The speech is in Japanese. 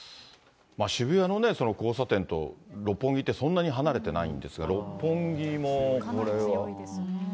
渋谷の交差点と六本木ってそんなに離れてないんですが、六本木もかなり強いですね。